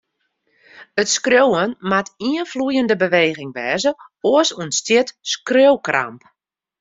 It skriuwen moat ien floeiende beweging wêze, oars ûntstiet skriuwkramp.